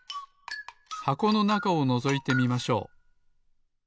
箱のなかをのぞいてみましょう。